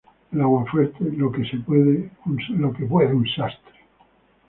El aguafuerte ¡Lo que puede un sastre!